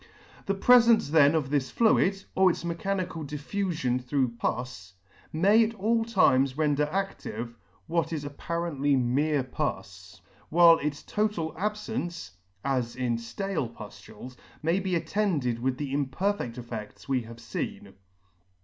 The prefence then of this fluid, or its mechanical dif fufion through pus, may at all times render adive, what is ap parently mere pus, while its total ab fence (as in ftale puftules) may be attended with the imperfed effeds we have feen.